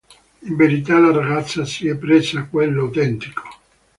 In verità, la ragazza si è presa quello autentico.